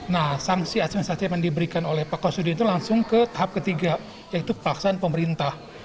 nah sanksi administratif yang diberikan oleh pak kasudin itu langsung ke tahap ketiga yaitu paksaan pemerintah